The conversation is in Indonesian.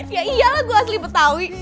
ya iya gue asli betawi